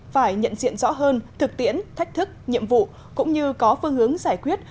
phải nhận diện rõ hơn thực tiễn thách thức nhiệm vụ cũng như có phương hướng giải quyết